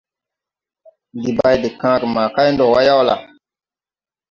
Ndi bay de kããge ma kay ndɔ wà yawla?